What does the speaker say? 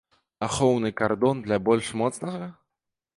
Ахоўны кардон для больш моцнага?